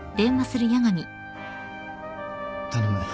頼む